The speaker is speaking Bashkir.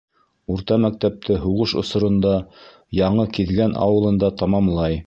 Урта мәктәпте һуғыш осоронда Яңы Киҙгән ауылында тамамлай.